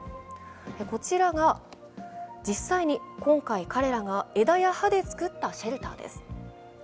こちらが実際に今回彼らが枝や葉で作ったシェルターです。